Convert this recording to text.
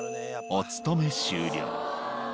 お勤め終了。